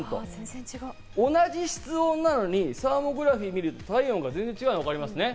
同じ室温なのにサーモグラフィーで見ると体温が全然違うのがわかりますね。